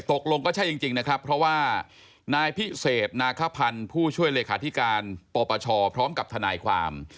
ตกลงก็ใช่จริงนะครับเพราะว่านายพิเศษนาคพันธ์ผู้ช่วยเลขาธิการปปชพร้อมกับทนายความ